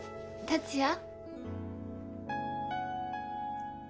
達也。